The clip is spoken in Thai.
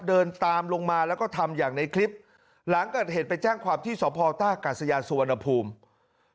เดินตามลงมาแล้วก็ทำอย่างในคลิปหลังเกิดเหตุไปแจ้งความที่สพท่ากาศยานสุวรรณภูมิ